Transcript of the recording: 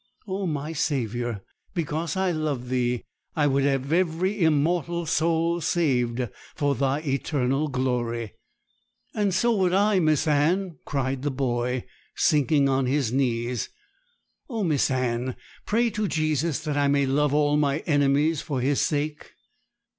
O my Saviour! because I love Thee, I would have every immortal soul saved for Thy eternal glory.' 'And so would I, Miss Anne,' cried the boy, sinking on his knees. 'Oh, Miss Anne, pray to Jesus that I may love all my enemies for His sake.'